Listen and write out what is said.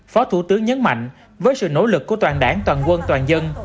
phó thủ tướng nhấn mạnh với sự nỗ lực của toàn đảng toàn quân toàn dân